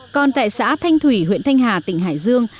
còn tại xã thanh thủy huyện thanh hà tỉnh hải dương